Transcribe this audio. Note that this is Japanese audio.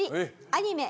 アニメ